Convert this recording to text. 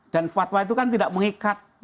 dan fatwa itu kan tidak mengikat